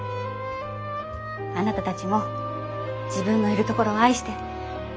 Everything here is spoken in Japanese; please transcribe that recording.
あなたたちも自分のいるところを愛して。